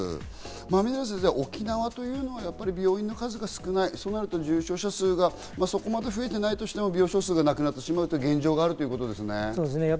水野先生、沖縄というのはやっぱり病院の数が少ない、そうなると重症者数がそこまで増えていないとしても病床数がなくなってしまう現状があるということですね。